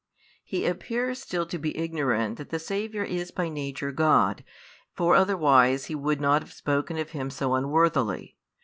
He appears still to be ignorant that the Saviour is by nature God, for otherwise he would not have spoken of him so unworthily.